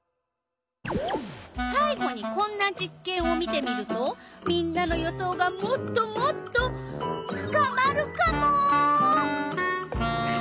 さい後にこんな実けんを見てみるとみんなの予想がもっともっと深まるカモ！